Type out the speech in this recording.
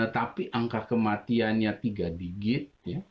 tapi angka kematiannya tiga digit